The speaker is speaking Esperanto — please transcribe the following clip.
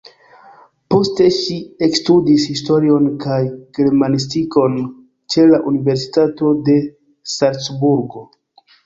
Poste ŝi ekstudis historion kaj germanistikon ĉe la universitato de Salcburgo.